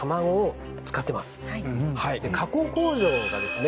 加工工場がですね